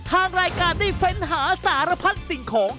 ทางรายการได้เฟ้นหาสารพัดสิ่งของ